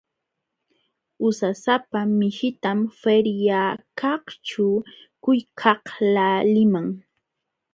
Usasapa mishitam feriakaqćhu quykaqlaaliman.